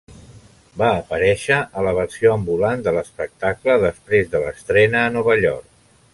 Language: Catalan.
Va aparèixer a la versió ambulant de l'espectacle després de l'estrena a Nova York.